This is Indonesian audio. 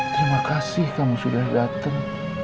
tidak ada yang bisa diberikan